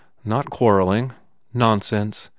"Not quarrelling." "Nonsense.